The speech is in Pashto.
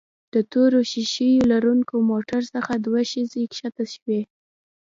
د تورو ښيښو لرونکي موټر څخه دوه ښځې ښکته شوې.